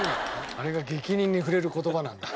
あれが逆鱗に触れる言葉なんだ。